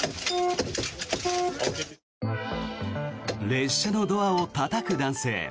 列車のドアをたたく男性。